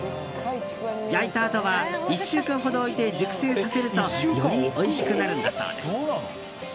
焼いたあとは１週間ほど置いて熟成させるとよりおいしくなるんだそうです。